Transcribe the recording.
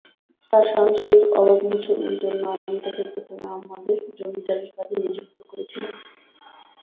তাঁর সাংসারিক অভাব মোচনের জন্য আমি তাঁকে প্রথমে আমাদের জমিদারির কাজে নিযুক্ত করেছিলেম।